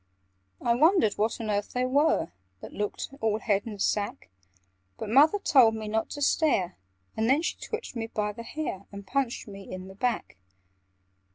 "I wondered what on earth they were, That looked all head and sack; But Mother told me not to stare, And then she twitched me by the hair, And punched me in the back.